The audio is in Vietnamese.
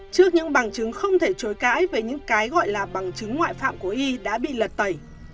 trước những bằng chứng không thể chối cãi về những cái gọi là bằng chứng ngoại phạm của y đã bị lật tẩy